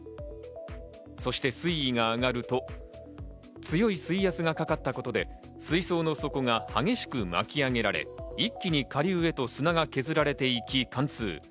そして水位が上がると、強い水圧がかかったことで水槽の底が激しく巻き上げられ、一気に下流へと砂が削られていき貫通。